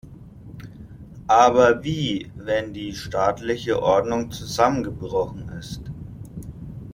Aber wie, wenn die staatliche Ordnung zusammengebrochen ist?